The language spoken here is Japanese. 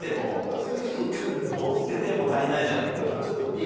持ってても足りないじゃないか。